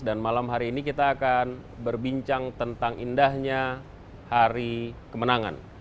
dan malam hari ini kita akan berbincang tentang indahnya hari kemenangan